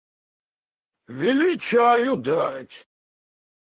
Вели чаю дать.